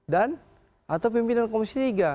atau pimpinan komisi tiga